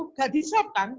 nggak diswep kan